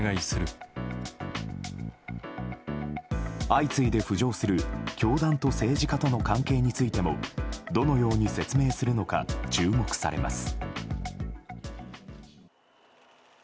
相次いで浮上する教団と政治家との関係についてもどのように説明するのか注目されます。